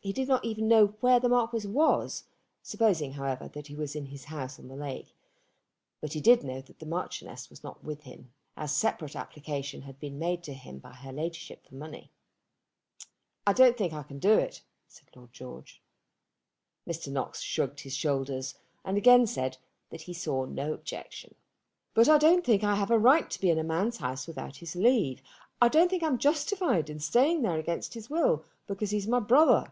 He did not even know where the Marquis was, supposing, however, that he was in his house on the lake; but he did know that the Marchioness was not with him, as separate application had been made to him by her Ladyship for money. "I don't think I can do it," said Lord George. Mr. Knox shrugged his shoulders, and again said that he saw no objection. "I should be very slow in advertising, you know," said Mr. Knox. "But I don't think that I have a right to be in a man's house without his leave. I don't think I am justified in staying there against his will because he is my brother."